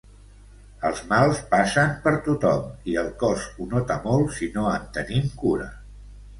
Els mals passen per tothom i el cos ho nota molt si no en tenim cura.